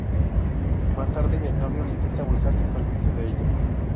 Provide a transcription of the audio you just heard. Más tarde el novio intenta abusar sexualmente de ella.